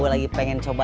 kalau mau coba